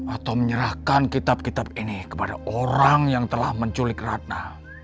atau menyerahkan kitab kitab ini kepada orang yang telah menculik ratna